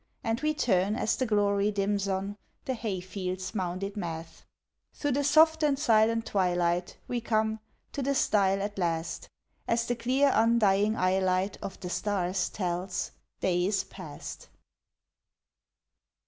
And we turn as the glory dims on The hay field's mounded math. Thro' the soft and silent twilight We come, to the stile at last, As the clear undying eyelight Of the stars tells day is past.